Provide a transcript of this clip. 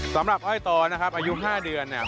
สำหรับอ้อยโตนะครับอายุ๕เดือนเนี่ย